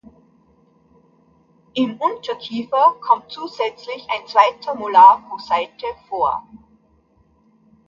Im Unterkiefer kommt zusätzlich ein zweiter Molar pro Seite vor.